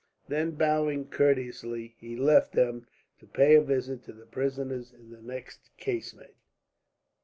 Then, bowing courteously, he left them, to pay a visit to the prisoners in the next casemate.